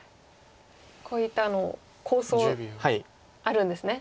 こういった構想あるんですね。